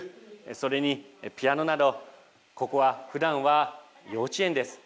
それに、ピアノなどここは、ふだんは幼稚園です。